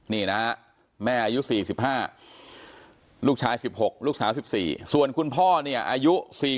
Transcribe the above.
นี่นะแม่อายุ๔๕ลูกชาย๑๖ลูกสาว๑๔ส่วนคุณพ่อเนี่ยอายุ๔๐